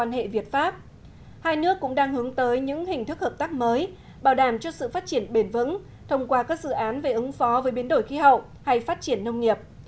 hai nước cũng đang hướng tới những hình thức hợp tác mới bảo đảm cho sự phát triển bền vững thông qua các dự án về ứng phó với biến đổi khí hậu hay phát triển nông nghiệp